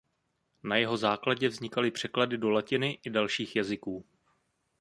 Na jeho základě vznikaly překlady do latiny i dalších jazyků.